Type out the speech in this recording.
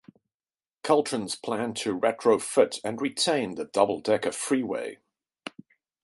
Caltrans planned to retrofit and retain the double-decker freeway.